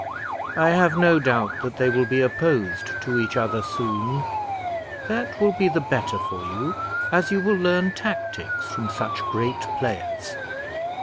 I have no doubt that they will be opposed to each other soon that will be the better for you, as you will learn tactics from such great players."